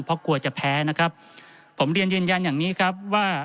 เพราะกลัวจะแพ้นะครับผมเรียนยืนยันอย่างนี้ครับว่า